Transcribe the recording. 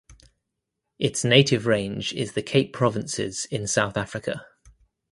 Its native range is the Cape Provinces in South Africa.